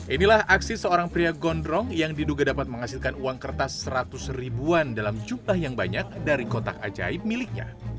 inilah aksi seorang pria gondrong yang diduga dapat menghasilkan uang kertas seratus ribuan dalam jumlah yang banyak dari kotak ajaib miliknya